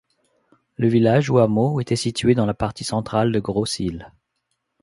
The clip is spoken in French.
Le village ou hameau était situé dans la partie centrale de Grosse-Île.